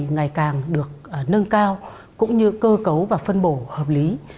ngày càng được nâng cao cũng như cơ cấu và phân bổ hợp lý